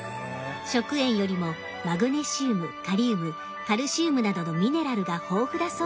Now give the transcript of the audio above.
食塩よりもマグネシウムカリウムカルシウムなどのミネラルが豊富だそう。